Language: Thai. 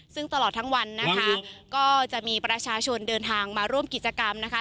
ซึ่งตลอดทั้งวันนะคะก็จะมีประชาชนเดินทางมาร่วมกิจกรรมนะคะ